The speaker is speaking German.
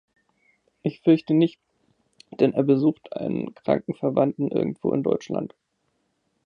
Ich fürchte nicht, denn er besucht einen kranken Verwandten irgendwo in Deutschland.